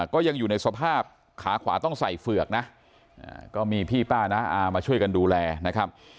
ก็ยังอยู่ในสภาพขาขวาต้องใส่เฝือกนะก็มีพี่ป้าน้าอามาช่วยกันดูแลนะครับ